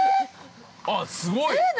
あっ、すごい！◆えっ？